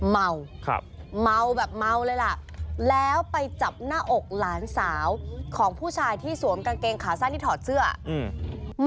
เมาครับเมาแบบเมาเลยล่ะแล้วไปจับหน้าอกหลานสาวของผู้ชายที่สวมกางเกงขาสั้นที่ถอดเสื้ออืม